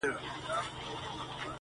هغه سنګین- هغه سرکښه د سیالیو وطن-